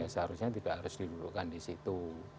seharusnya tidak harus dilakukan disitu